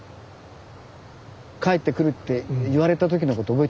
帰ってくるって言われた時のこと覚えてますか？